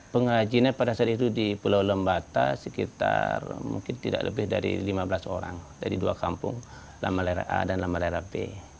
pengrajinnya pada saat itu di pulau lembata sekitar mungkin tidak lebih dari lima belas orang dari dua kampung lamalera a dan lamalera b